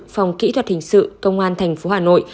phòng kỹ thuật hình sự công an thành phố hà nội